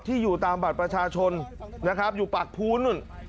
อยู่ตามบัตรประชาชนนะครับอยู่ปากภูนู่น